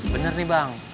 bener nih bang